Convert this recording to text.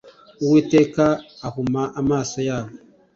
Uwiteka ahuma amaso yabo